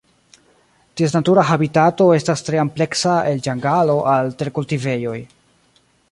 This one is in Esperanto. Ties natura habitato estas tre ampleksa el ĝangalo al terkultivejoj.